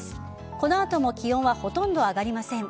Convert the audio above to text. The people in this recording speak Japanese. この後も気温はほとんど上がりません。